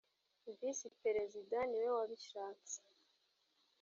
visi perezida niwe wabishatse.